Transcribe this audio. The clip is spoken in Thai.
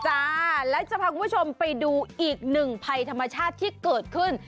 และจะพาคุณผู้ชมไปดูอีกหนึ่งภัยธรรมชาติที่เกิดขึ้น